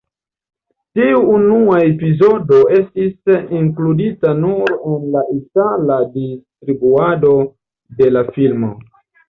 Tiu unua epizodo estis inkludita nur en la itala distribuado de la filmo.